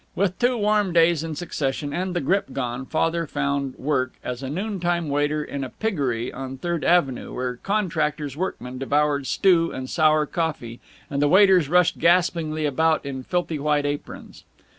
With two warm days in succession, and the grippe gone, Father found work as a noontime waiter in a piggery on Third Avenue, where contractors' workmen devoured stew and sour coffee, and the waiters rushed gaspingly about in filthy white aprons.